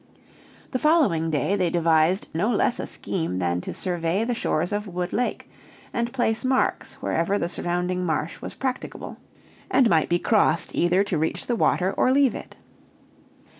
The following day they devised no less a scheme than to survey the shores of Wood Lake, and place marks wherever the surrounding marsh was practicable, and might be crossed either to reach the water or leave it.